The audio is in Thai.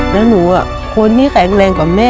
แล้วหนูคนที่แข็งแรงกว่าแม่